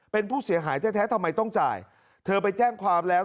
เป็นผู้เสียหายแท้ทำไมต้องจ่ายเธอไปแจ้งความแล้ว